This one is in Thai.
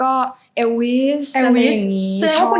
แล้วก็เอลวิส